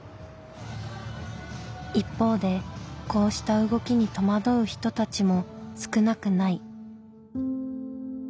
一方でこうした動きに戸惑う人たちも少なくない。